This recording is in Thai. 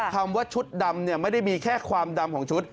คำว่าชุดดำไม่ได้มีแค่ความดำของชุด